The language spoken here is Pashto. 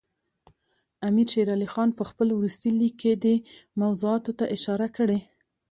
امیر شېر علي خان په خپل وروستي لیک کې دې موضوعاتو ته اشاره کړې.